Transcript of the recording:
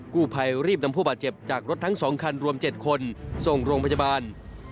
กู้ภัยรีบนำผู้บาดเจ็บจากรถทั้ง๒คันรวม๗คนส่งโรงพยาบาล